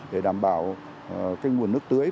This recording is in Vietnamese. để đảm bảo nguồn nước tưới